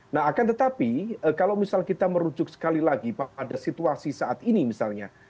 nah akan tetapi kalau misal kita merujuk sekali lagi pada situasi saat ini misalnya